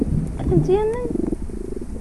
Ad tent-yamen?